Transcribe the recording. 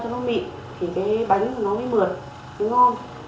thôi mịn thì cái bánh nó mới mượt mới ngon